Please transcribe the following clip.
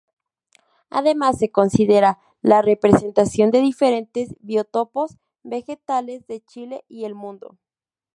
Además se considera la representación de diferentes biotopos vegetales de Chile y el mundo.